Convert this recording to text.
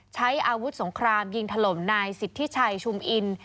ใช้อาวุธสงครามยิงถล่มนายสิทธิชัยชุมอิน